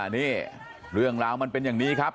นี่เรื่องราวมันเป็นอย่างนี้ครับ